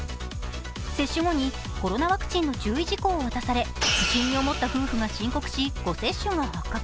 接種後にコロナワクチンの注意事項を渡され不審に思った夫婦が申告し、誤接種が発覚。